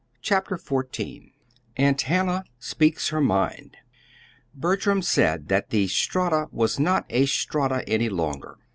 CHAPTER XIV AUNT HANNAH SPEAKS HER MIND Bertram said that the Strata was not a strata any longer.